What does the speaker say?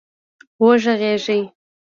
وږغېږئ